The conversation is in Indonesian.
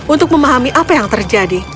untuk memahami apa yang terjadi